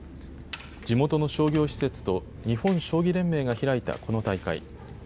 地元の商業施設と日本将棋連盟が開いたこの大会。